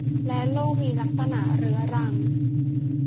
และโรคมีลักษณะเรื้อรัง